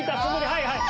はいはい。